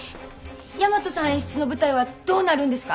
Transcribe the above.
大和さん演出の舞台はどうなるんですか？